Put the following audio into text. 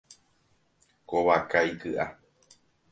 Ko vaka iky’a.